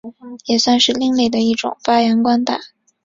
也算是另类的一种发扬光大。